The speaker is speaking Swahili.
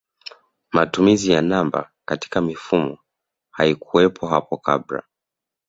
Matumizi ya namba katika mifumo haikuwepo hapo kabla